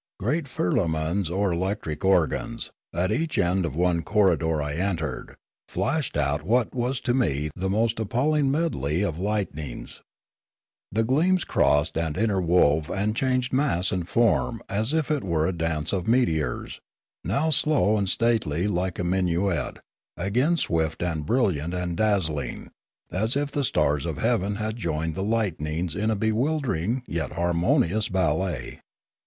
Great firlamans or electric organs, at each end of one corridor I entered, flashed out what was to me the most appalling medley of lightnings ; the gleams crossed and interwove and changed mass and form as if it were a dance of meteors, now slow and stately like a minuet, again swift and brilliant and dazzling as if the stars of heaven had joined the lightnings in a bewildering yet harmonious ballet.